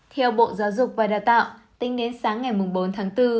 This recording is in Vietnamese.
theo bộ giáo dục và đào tạo tính đến sáng ngày bốn tháng bốn